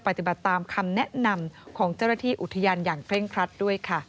ปฏิบัติตามคำแนะนำของเจ้าหน้าที่อุทยานอย่างเคร่งครัดด้วยค่ะ